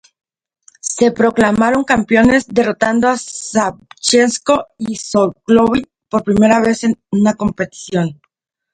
Se proclamaron campeones, derrotando a Savchenko y Szolkowy por primera vez en una competición.